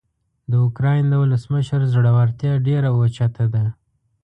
د اوکراین د ولسمشر زړورتیا ډیره اوچته ده.